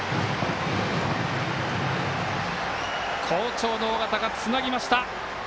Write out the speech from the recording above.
好調の尾形がつなぎました。